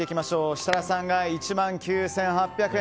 設楽さんが１万９８００円。